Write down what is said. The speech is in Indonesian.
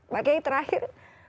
pak gai terakhir